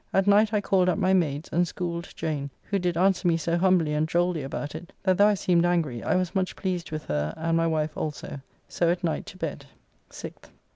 At night I called up my maids, and schooled Jane, who did answer me so humbly and drolly about it, that though I seemed angry, I was much pleased with her and [my] wife also. So at night to bed. 6th.